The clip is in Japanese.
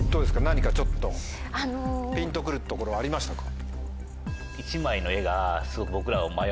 何かちょっとピンと来るところありましたか？